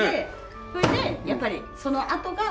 それでやっぱりそのあとが釜揚げ。